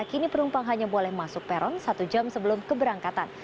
kini penumpang hanya boleh masuk peron satu jam sebelum keberangkatan